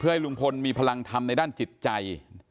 ให้ลุงพลมีพลังธรรมในด้านจิตใจ